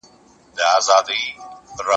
که ته په املا کي له رنګه قلمونو ګټه واخلې.